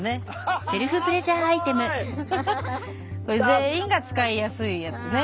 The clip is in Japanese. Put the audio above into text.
全員が使いやすいやつね。